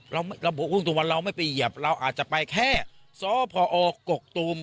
เราบอกว่าเราไม่ไปเหยียบเราอาจจะไปแค่สพกกตูม